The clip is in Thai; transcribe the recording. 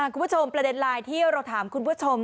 คุณผู้ชมประเด็นไลน์ที่เราถามคุณผู้ชม